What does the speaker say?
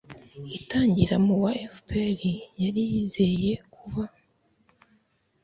itangira mu wa FPR yari yizeye kuba